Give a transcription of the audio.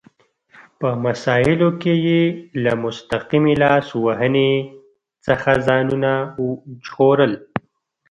په مسایلو کې یې له مستقیمې لاس وهنې څخه ځانونه ژغورل.